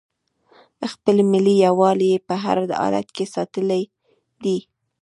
خپل ملي یووالی یې په هر حالت کې ساتلی دی.